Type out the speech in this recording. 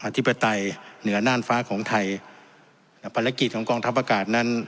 ธิปไตยเหนือน่านฟ้าของไทยภารกิจของกองทัพอากาศนั้น